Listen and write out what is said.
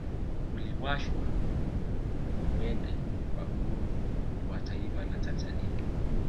Uliwashwa mwenge wa uhuru wa taifa la Tanzania